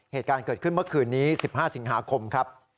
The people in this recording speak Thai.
เหตุการณ์เกิดขึ้นเมื่อคืนนี้๑๕สิงหาคมครับ